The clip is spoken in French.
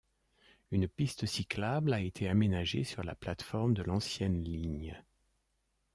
Une piste cyclable a été aménagée sur la plate-forme de l'ancienne ligne.